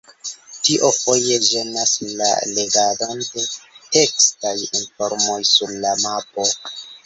Tio foje ĝenas la legadon de tekstaj informoj sur la mapo.